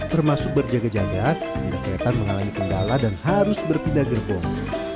termasuk berjaga jaga jika kereta mengalami kendala dan harus berpindah gerbong